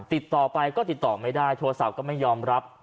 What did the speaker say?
ติดต่อไปก็ติดต่อไม่ได้โทรศัพท์ก็ไม่ยอมรับ